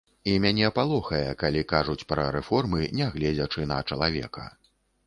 І мяне палохае, калі кажуць пра рэформы, не гледзячы на чалавека.